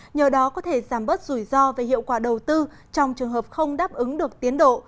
nhờ đó có thể giảm bớt rủi ro về hiệu quả đầu tư trong trường hợp không đáp ứng được tiến độ